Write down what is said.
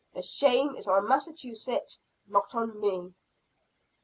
The shame is on Massachusetts not on me!"